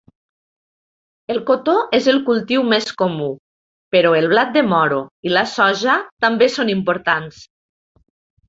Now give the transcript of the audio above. El cotó és el cultiu més comú, però el blat de moro i la soja també són importants.